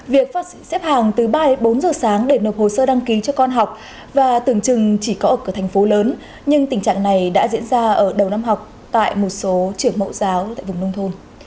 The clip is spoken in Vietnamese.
việc face xếp hàng từ ba bốn giờ sáng để nộp hồ sơ đăng ký cho con học và tưởng chừng chỉ có ở thành phố lớn nhưng tình trạng này đã diễn ra ở đầu năm học tại một số trường mẫu giáo tại vùng nông thôn